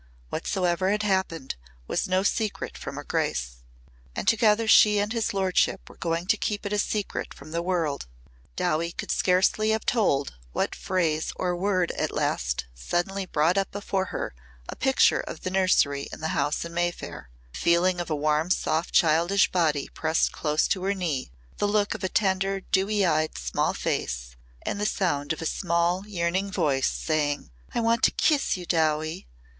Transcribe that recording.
Whatsoever had happened was no secret from her grace. And together she and his lordship were going to keep it a secret from the world. Dowie could scarcely have told what phrase or word at last suddenly brought up before her a picture of the nursery in the house in Mayfair the feeling of a warm soft childish body pressed close to her knee, the look of a tender, dewy eyed small face and the sound of a small yearning voice saying: "I want to kiss you, Dowie."